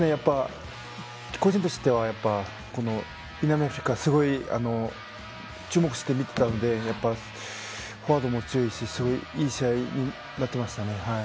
個人としては南アフリカはすごい注目して見ていたんでフォワードも強いしすごくいい試合になってましたね。